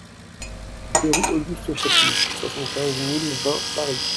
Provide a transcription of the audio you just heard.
deux rue Auguste Chapuis, soixante-quinze mille vingt Paris